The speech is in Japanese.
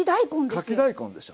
かき大根でしょ。